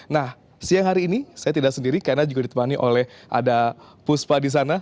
nah siang hari ini saya tidak sendiri karena juga ditemani oleh ada puspa di sana